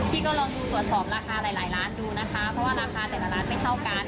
พี่ก็ลองดูตรวจสอบราคาหลายหลายร้านดูนะคะเพราะว่าราคาแต่ละร้านไม่เท่ากัน